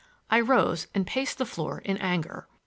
I rose and paced the floor in anger.